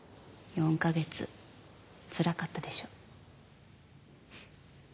４カ月つらかったでしょ。